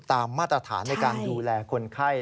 มาตรฐานในการดูแลคนไข้